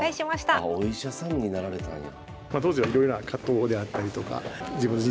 お医者さんになられたんや。